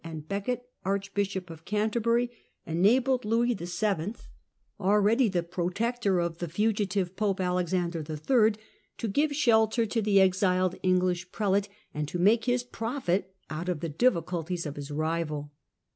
and Becket, Archbishop of Canterbury, enabled Louis VIL, already 108 THE CENTRAL PERIOD OF THE MIDDLE AGE the protector of the fugitive Pope Alexander III., to give shelter to the exiled English prelate, and to make his profit out of the difficulties of his rival.